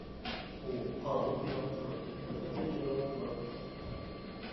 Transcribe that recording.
ئۇ قانۇن ئېلان قىلاتتى ھەمدە ئۇنى ئىجرا قىلاتتى.